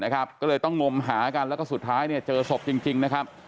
ก็เลยต้องงมหากันแล้วเพราะสุดท้ายเจอศพจริง